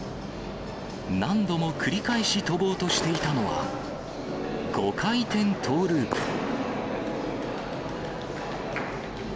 何度も繰り返し跳ぼうとしていたのは、５回転トーループ。